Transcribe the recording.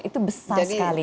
itu besar sekali